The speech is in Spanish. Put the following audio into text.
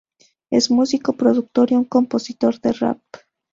Es músico, productor y un compositor de rap.